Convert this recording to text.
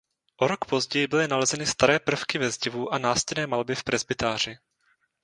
O rok později byly nalezeny staré prvky ve zdivu a nástěnné malby v presbytáři.